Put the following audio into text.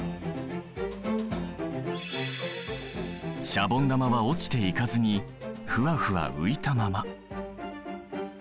シャボン玉は落ちていかずにフワフワ浮いたまま。